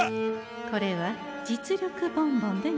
これは「実力ボンボン」でござんす。